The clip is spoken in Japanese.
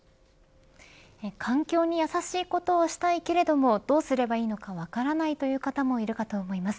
環境に優しいことをしたいけれどもどうすればいいのか分からないという方もいるかと思います。